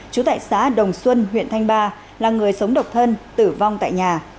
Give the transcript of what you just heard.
trú tại xã đồng xuân huyện thanh ba là người sống độc thân tử vong tại nhà